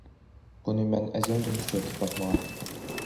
بۇنى مەن ئەزەلدىن ئۇچرىتىپ باقمىغان.